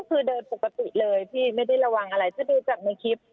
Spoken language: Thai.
ก็คือเดินปกติเลยพี่ไม่ได้ระวังอะไรถ้าดูจากในคลิป